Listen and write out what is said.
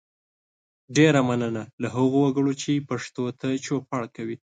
ډیره مننه له هغو وګړو چې پښتو ته چوپړ کوي